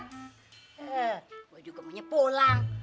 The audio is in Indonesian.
gue juga mau pulang